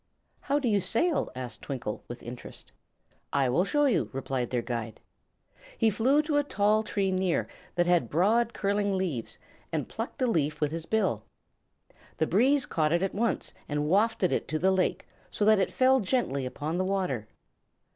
"How do you sail?" asked Twinkle, with interest. "I will show you," replied their guide. He flew to a tall tree near, that had broad, curling leaves, and plucked a leaf with his bill. The breeze caught it at once and wafted it to the lake, so that it fell gently upon the water.